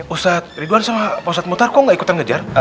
ustadz ridwan sama pak ustadz mutar kok nggak ikutan ngejar